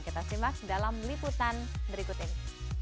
kita simak dalam liputan berikut ini